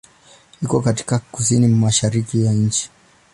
Iko katika kusini-mashariki ya nchi.